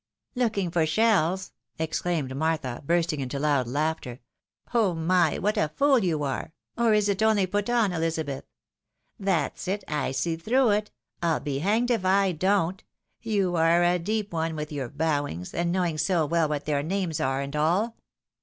" Looking for shells !" exclaimed Martha, bursting into loud laughter. " Oh, my ! what a fool you are ! or is it only put on, EKzabeth ? That's it, I see through it, I'U be hanged if I don't. You are a deep one, with your bowings, and knowing so well what their names are, and all."